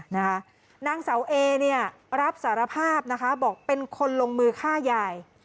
นางเสาเอรับสารภาพบอกเป็นคนลงมือฆ่ายาย